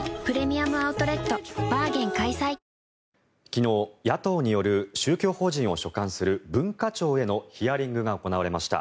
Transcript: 昨日、野党による宗教法人を所管する文化庁へのヒアリングが行われました。